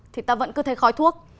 thì ta vẫn cứ thấy khói thuốc